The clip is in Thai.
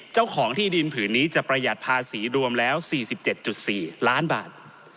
เจ้าของที่ดินผืนนี้จะประหยัดภาษีรวมแล้ว๔๗๔ล้านบาท